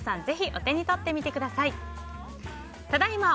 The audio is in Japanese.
ぜひ、お手に取ってみてください。